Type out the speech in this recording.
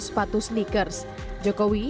sepatu sneakers jokowi